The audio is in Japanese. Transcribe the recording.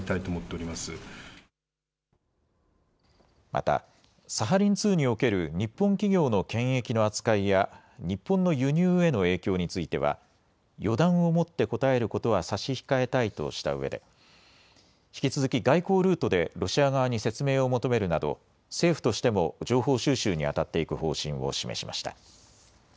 またサハリン２における日本企業の権益の扱いや日本の輸入への影響については予断を持って答えることは差し控えたいとしたうえで引き続き外交ルートでロシア側に説明を求めるなど政府としても情報収集にあたっていく方針を示しました。